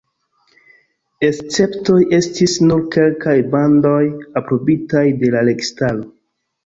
Esceptoj estis nur kelkaj bandoj aprobitaj de la registaro.